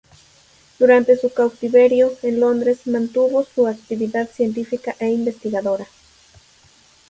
Durante su cautiverio en Londres mantuvo su actividad científica e investigadora.